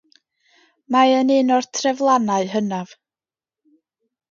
Mae e'n un o'r treflannau hynaf.